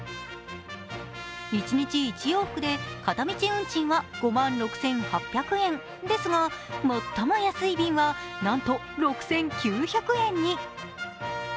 一日１往復で片道運賃は５万６８００円ですが最も安い便はなんと６９００円に。